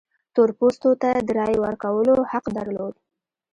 تور پوستو ته د رایې ورکولو حق درلود.